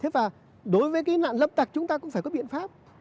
và đối với nạn lâm tặc chúng ta cũng phải có biện pháp